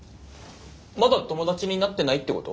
まだ友達になってないってこと？